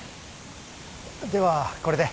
ではこれで。